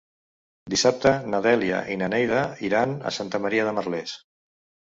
Dissabte na Dèlia i na Neida iran a Santa Maria de Merlès.